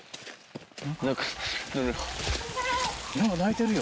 何か鳴いてるよ。